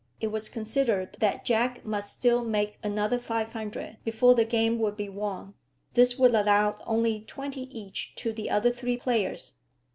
It was considered that Jack must still make another 500 before the game would be won. This would allow only twenty each to the other three players.